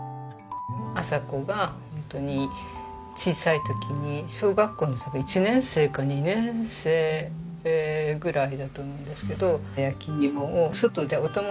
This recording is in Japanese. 麻子がホントに小さい時に小学校の１年生か２年生ぐらいだと思うんですけど。